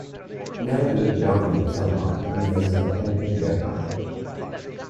Never look down on someone unless you're helping them up.